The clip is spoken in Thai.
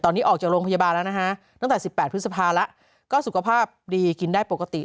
ตอนนี้ออกจากโรงพยาบาลแล้วนะฮะตั้งแต่๑๘พฤษภาแล้วก็สุขภาพดีกินได้ปกติ